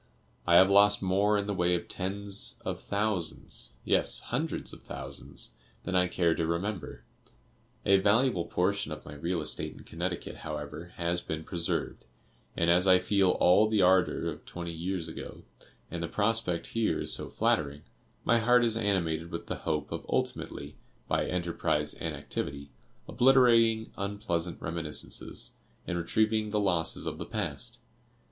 I have lost more in the way of tens of thousands, yes, hundreds of thousands, than I care to remember. A valuable portion of my real estate in Connecticut, however, has been preserved, and as I feel all the ardor of twenty years ago, and the prospect here is so flattering, my heart is animated with the hope of ultimately, by enterprise and activity, obliterating unpleasant reminiscences, and retrieving the losses of the past.